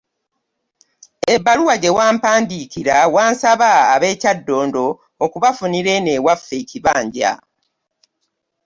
Ebbaluwa gye wampandiikira wansaba ab'e Kyaddondo okubafunira eno ewaffe ekibanja.